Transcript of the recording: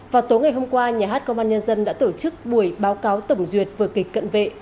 vào tối ngày hôm qua nhà hát công an nhân dân đã tổ chức buổi báo cáo tổng duyệt vở kịch cận vệ